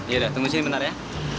yaudah tunggu sini bentar ya